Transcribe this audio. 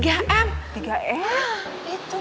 belanja ini belanja itu